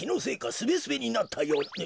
スベスベになったよう。